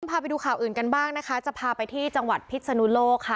พาไปดูข่าวอื่นกันบ้างนะคะจะพาไปที่จังหวัดพิษนุโลกค่ะ